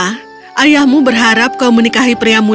bella ayahmu berharap kau menikahi putriku